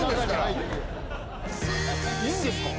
いいんですか？